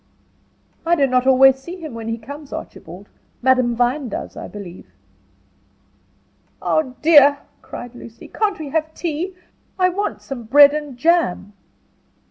"I do not always see him when he comes, Archibald. Madame Vine does, I believe." "Oh, dear!" cried Lucy, "can't we have tea? I want some bread and jam."